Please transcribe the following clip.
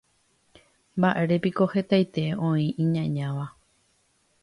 Mba'érepiko hetaite oĩ iñañáva.